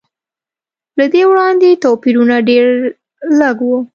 له دې وړاندې توپیرونه ډېر لږ و.